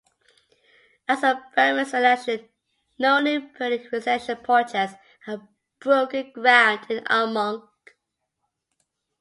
As of Berman's election, no new purely residential projects have broken ground in Armonk.